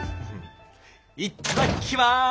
いっただきます！